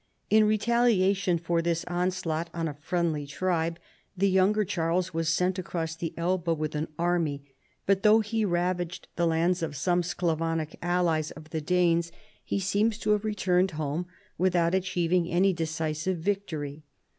In retaliation for this onslaught on a friendly tribe, the younger Charles was sent across the Elbe with an array, but though he ravaged the lands of some Sclavonic allies of the Danes he seems to have re turned home without achieving any decisive victory.